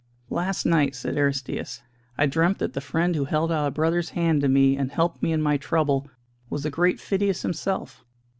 "Last night," said Aristćus, "I dreamt that the friend who held out a brother's hand to me and helped me in my trouble was the great Phidias himself.